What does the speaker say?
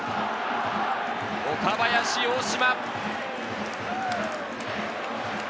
岡林、大島。